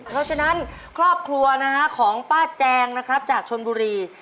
เพราะฉะนั้นครอบครัวนะฮะของป้าแจงนะครับจากชนบุรี